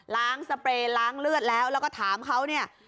สเปรย์ล้างเลือดแล้วแล้วก็ถามเขาเนี่ย